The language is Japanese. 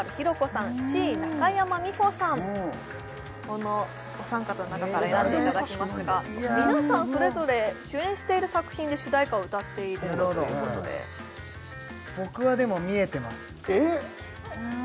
このお三方の中から選んでいただきますが皆さんそれぞれ主演している作品で主題歌を歌っているということで僕はでも見えてますえっ？